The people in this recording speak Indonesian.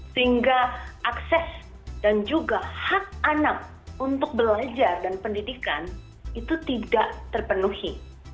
sehingga akses dan juga hak anak untuk belajar dan pendidikan itu tidak terpenuhi